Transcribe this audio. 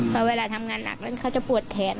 พอเวลาทำงานหนักนั้นเขาจะปวดแขน